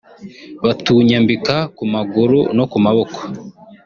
batunyambika ku maguru no ku maboko